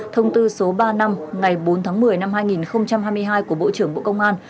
thông tư số ba năm ngày bốn tháng một mươi năm hai nghìn hai mươi hai của bộ trưởng bộ công an